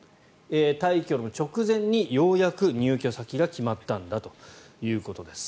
退去の直前にようやく入居先が決まったんだということです。